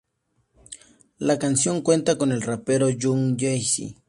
La canción cuenta con el rapero Young Jeezy.